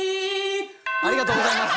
ありがとうございます。